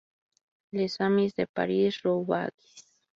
Les amis de Paris Roubaix